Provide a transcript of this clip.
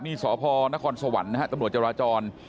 นี่สพนครสวรรค์นะฮะตำรวจจราจร